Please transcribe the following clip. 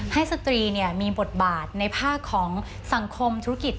สตรีมีบทบาทในภาคของสังคมธุรกิจ